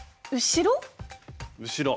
後ろ。